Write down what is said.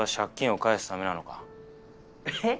えっ？